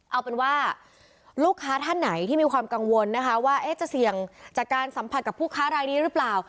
เอาเป็นว่าลูกค้าท่านไหนที่มีความกังวลนะคะว่าจะเสี่ยงจากการสัมผัสกับผู้ค้ารายนี้หรือเปล่า